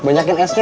banyakin esnya ya